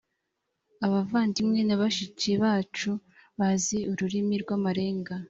abavandimwe na bashiki bacu bazi ururimi rw amarenga.